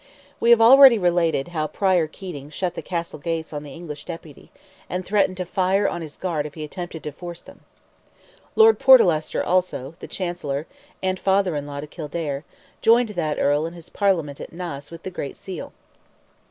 We have already related how Prior Keating shut the Castle gates on the English deputy, and threatened to fire on his guard if he attempted to force them. Lord Portlester also, the Chancellor, and father in law to Kildare, joined that Earl in his Parliament at Naas with the great seal.